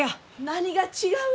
・何が違う？